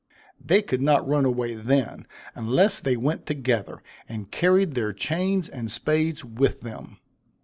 They could not run away then, unless they went together, and carried their chains and spades with them.